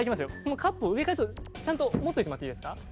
カップを上からちゃんと持っといてもらっていいですか？